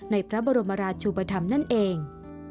ในพระบรมราชุปธรรมนั่นเอง